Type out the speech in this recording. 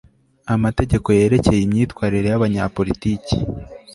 amategeko yerekeye imyitwarire y abanyapolitiki